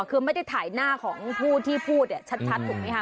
คือไม่ได้ถ่ายหน้าของผู้ที่พูดเนี่ยชัดถูกไหมคะ